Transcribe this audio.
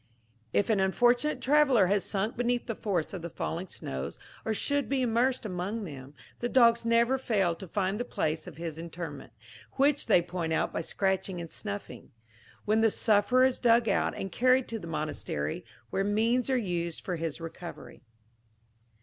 If an unfortunate traveller has sunk beneath the force of the falling snows, or should be immersed among them, the dogs never fail to find the place of his interment, which they point out by scratching and snuffing; when the sufferer is dug out, and carried to the monastery, where means are used for his recovery.